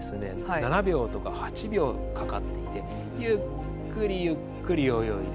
７秒とか８秒かかっていてゆっくりゆっくり泳いで。